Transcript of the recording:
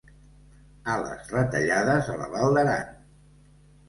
Ales retallades a la Val d'Aran.